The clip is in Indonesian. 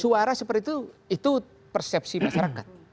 suara seperti itu itu persepsi masyarakat